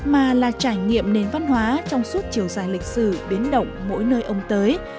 mà là trải nghiệm nền văn hóa trong suốt chiều dài lịch sử biến động mỗi nơi ông tới